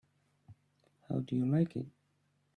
How do you like it?